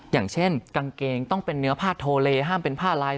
อย่างเช่นกางเกงต้องเป็นเนื้อผ้าโทเลห้ามเป็นผ้าลาย